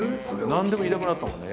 何でも言いたくなったもんね。